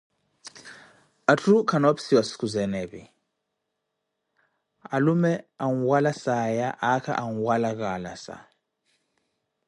atthu kannoopissiwa sikizeene epi, alume anwala saaya, aakha anwala kaalasa.